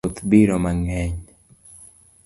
Koth biro mangeny